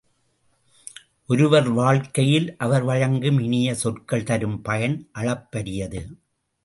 ஒருவர் வாழ்க்கையில் அவர் வழங்கும் இனிய சொற்கள் தரும் பயன் அளப்பரியது.